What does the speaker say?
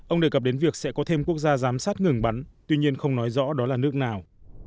ông đề cập đến việc sẽ có thêm quốc gia giám sát ngừng bắn tuy nhiên không nói rõ đó là nước nào